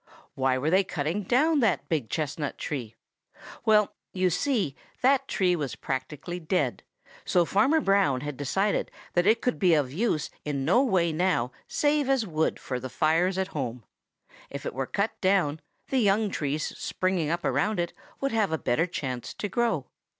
Why were they cutting down that big chestnut tree? Well, you see that tree was practically dead, so Farmer Brown had decided that it could be of use in no way now save as wood for the fires at home. If it were cut down, the young trees springing up around it would have a better chance to grow.